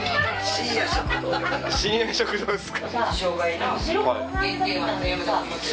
深夜食堂っすか。